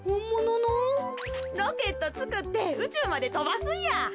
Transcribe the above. ロケットつくってうちゅうまでとばすんや。